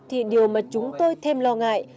thì điều mà chúng tôi thêm lo ngại